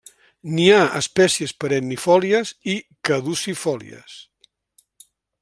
N'hi ha espècies perennifòlies i caducifòlies.